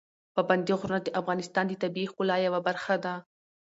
پابندي غرونه د افغانستان د طبیعي ښکلا یوه برخه ده.